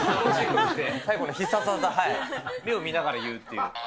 最後の必殺技、目を見ながら言うっていう。